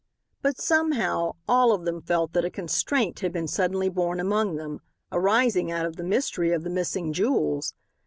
But, somehow, all of them felt that a constraint had been suddenly born among them, arising out of the mystery of the missing jewels.